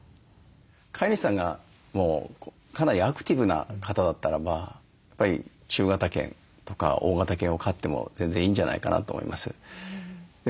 飼い主さんがかなりアクティブな方だったらばやっぱり中型犬とか大型犬を飼っても全然いいんじゃないかなと思います。